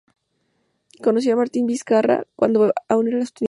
Conoció a Martín Vizcarra cuando aún era estudiante.